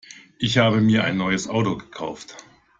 Ich habe mir ein neues Auto gekauft.